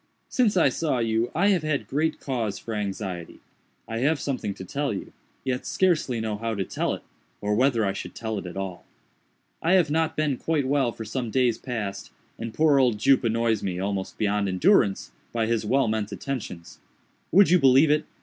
Since I saw you I have had great cause for anxiety. I have something to tell you, yet scarcely know how to tell it, or whether I should tell it at all. "I have not been quite well for some days past, and poor old Jup annoys me, almost beyond endurance, by his well meant attentions. Would you believe it?